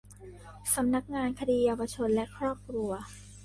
สำนักงานคดีเยาวชนและครอบครัว